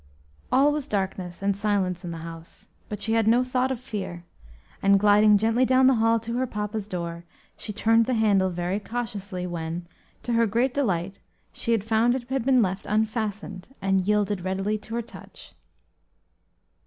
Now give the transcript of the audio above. All was darkness and silence in the house, but she had no thought of fear; and, gliding gently down the hall to her papa's door, she turned the handle very cautiously, when, to her great delight, she found it had been left unfastened, and yielded readily to her touch.